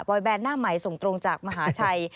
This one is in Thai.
แบนหน้าใหม่ส่งตรงจากมหาชัย